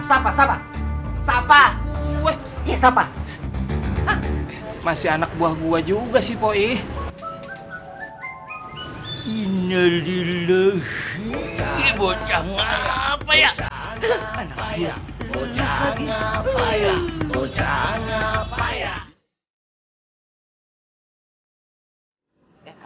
sapa sapa sapa sapa sapa masih anak buah gua juga sih poi ineliluh ibocah ngapain ya